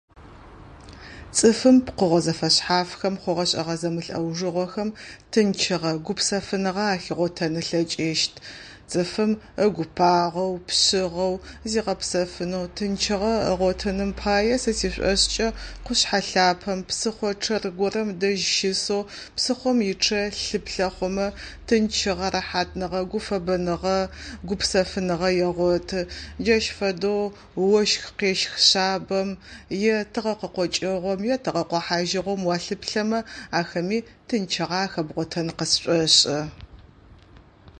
Цӏыфым пкъыгъо зэфэшъхьафхэм, хъугъэ-шӏэгъэ зэмылӏэужыгъохэм тынчыгъэ, гупсэфыныгъэ ахигъотэн ылъэкӏыщт. Цӏыфым ыгу пагъэу, пшъыгъэу, зигъэпсэфынэу, тынчыгъэ ыгъотыным пае сэ сишӏошӏкӏэ къушъхьэ лъапэм, псыхъо чъэр горэм дэжь щысэу псыхъом ычъэ лъыплъэ хъумэ тынчыгъэ, рэхьатныгъэ, гуфэбэныгъэ, гупсэфыныгъэ егъоты. Джащ фэдэу ощх къещх шъабэм е тыгъэ къыкъокӏыгъом е тыгъэ къохьажьыгъом уалъыплъэмэ ахэми тынчыгъэ ахэбгъотэн къысшӏошӏы.